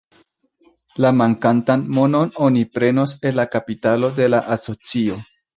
La mankantan monon oni prenos el la kapitalo de la asocio.